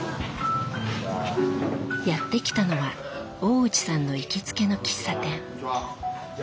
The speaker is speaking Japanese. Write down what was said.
やって来たのは大内さんの行きつけの喫茶店。